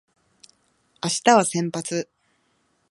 明日は先発